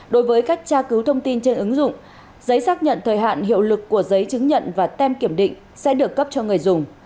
đối với cách tra cứu thông tin trên ứng dụng giấy xác nhận thời hạn hiệu lực của giấy chứng nhận và tem kiểm định sẽ được cấp cho người dùng